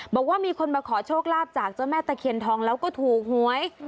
บอกว่ามีคนมาขอโชคลาภจากเจ้าแม่ตะเคียนทองแล้วก็ถูกหวย